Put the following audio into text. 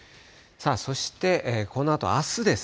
そして、このあとあすです。